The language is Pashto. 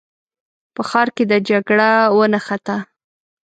په ښار کې د جګړه ونښته.